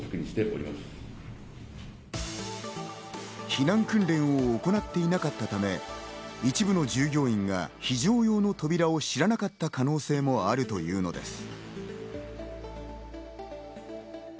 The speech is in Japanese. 避難訓練を行っていなかったため、一部の従業員が非常用の扉を知らなかった可能性もあるというのです。